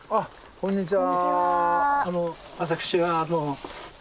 こんにちは。